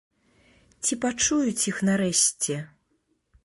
Ці пачуюць іх нарэшце?